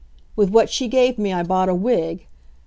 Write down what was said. With what she gave me I bought a wig.